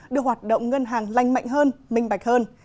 đưa hoạt động ngân hàng lành mạnh hơn minh bạch hơn